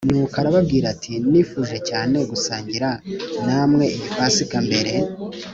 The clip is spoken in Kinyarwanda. Nuko arababwira ati nifuje cyane gusangira namwe iyi pasika mbere